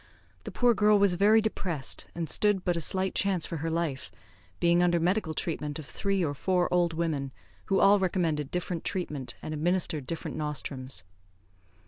The poor girl was very depressed, and stood but a slight chance for her life, being under medical treatment of three or four old women, who all recommended different treatment and administered different nostrums.